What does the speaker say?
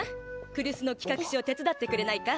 来栖の企画書手伝ってくれないか？